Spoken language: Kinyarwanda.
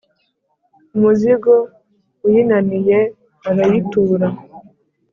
umuzigo uyinaniye, arayitura,